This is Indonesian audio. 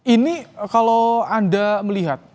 ini kalau anda melihat